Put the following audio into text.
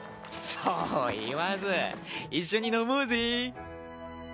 そう言わず一緒に飲もうぜ。